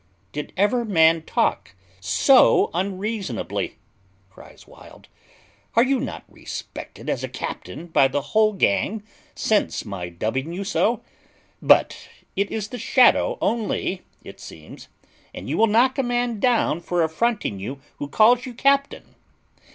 "Did ever man talk so unreasonably?" cries Wild. "Are you not respected as a captain by the whole gang since my dubbing you so? But it is the shadow only, it seems; and you will knock a man down for affronting you who calls you captain!